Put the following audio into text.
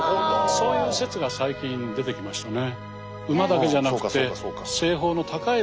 そういう説が最近出てきましたね。